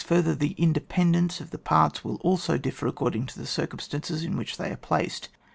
Further, the independence of the parts will also differ according to the circumstances in which they are placed.